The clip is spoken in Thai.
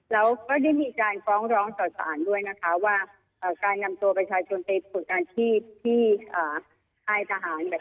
แล้วก็ได้มีการหลองส่อสารด้วยนะคะว่าการนำตัวไปชายสถานที่สุดอาทิตย์ที่ค่ายสหาร